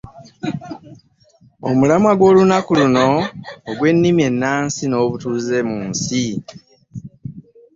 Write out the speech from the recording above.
Omulamwa gw'olunaku luno ogw'ennimi ennansi n'obutuuze mu nsi.